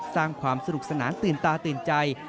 สร้างความสนุกสนานตื่นตาตื่นใจ